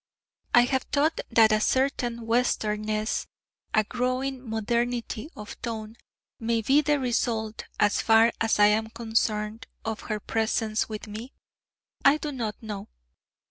I have thought that a certain Western ness a growing modernity of tone may be the result, as far as I am concerned, of her presence with me? I do not know....